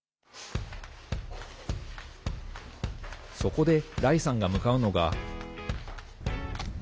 そこで、ライさんが向かうのが。